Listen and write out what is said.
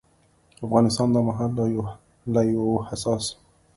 افغانستان دا مهال له يو حساس